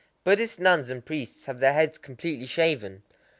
Buddhist nuns and priests have their heads completely shaven.